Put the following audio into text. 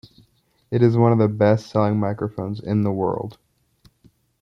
It is one of the best-selling microphones in the world.